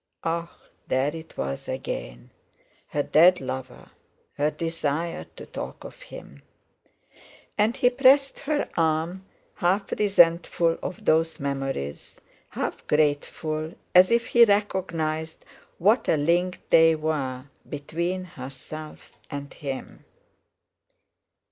'" Ah! There it was again. Her dead lover; her desire to talk of him! And he pressed her arm, half resentful of those memories, half grateful, as if he recognised what a link they were between herself and him.